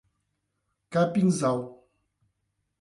Capinzal